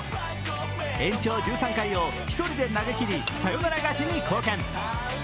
延長１３回を１人で投げ切り、サヨナラ勝ちに貢献。